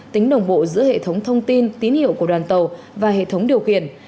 tính đồng bộ giữa hệ thống thông tin tín hiệu của đoàn tàu và hệ thống điều khiển